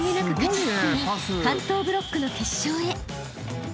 関東ブロックの決勝へ］